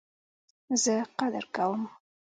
زه قدر کوم